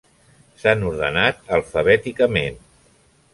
S'han ordenat alfabèticament.